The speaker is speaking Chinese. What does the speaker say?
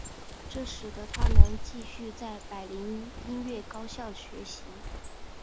这使得他能继续在柏林音乐高校学习。